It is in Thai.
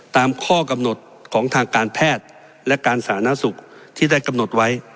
ตามข้อกำหนดของทางการแพทย์และการสาธารณสุขที่ได้กำหนดไว้